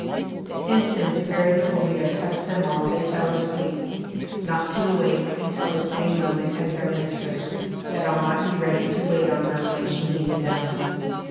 The instant the Fairy Hippolyta touched them they all fell asleep, not to awake until the same moment as their mistress, that all might be ready to wait on her when she needed them.